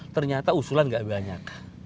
ternyata usulan tidak banyak